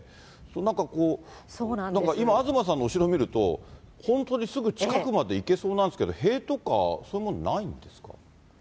なんかこう、今、東さんの後ろ見ると、本当にすぐ近くまで行けそうなんですけど、塀とか、そういうものはないんですか。